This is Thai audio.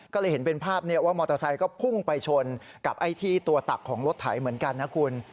ก็เลยเห็นเป็นภาพว่ามอเตอร์ไซค์ก็พุ่งไปชนกับไอ้ที่ตัวตักของรถไถเหมือนกันนะคุณ